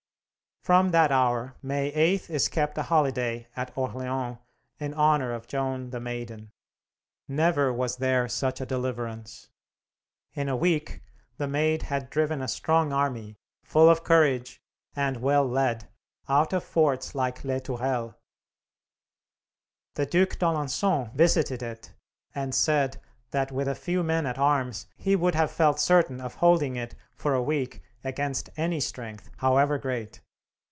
From that hour, May 8 is kept a holiday at Orleans in honor of Joan the Maiden. Never was there such a deliverance. In a week the Maid had driven a strong army, full of courage and well led, out of forts like Les Tourelles. The Due d'Alencon visited it, and said that with a few men at arms he would have felt certain of holding it for a week against any strength, however great.